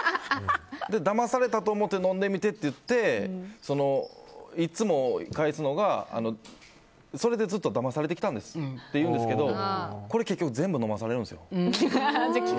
だまされたと思って飲んでみてっていっていつも返すのが、それでずっとだまされてきたんですっていうんですけどこれ結局全部飲まされるんですよ。